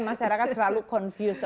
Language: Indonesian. masyarakat selalu confused